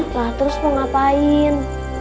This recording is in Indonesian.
lah terus mau ngapain